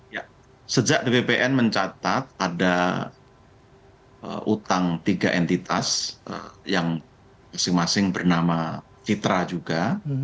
ya sejak bppn mencatat ada utang tiga entitas yang masing masing bernama citra juga